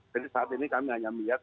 jadi saat ini kami hanya melihat